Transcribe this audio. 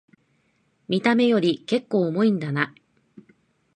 見た目よりけっこう重いんだな